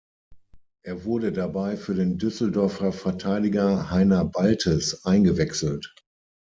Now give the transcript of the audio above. Er wurde dabei für den Düsseldorfer Verteidiger Heiner Baltes eingewechselt.